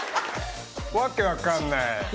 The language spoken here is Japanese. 「訳分かんない」。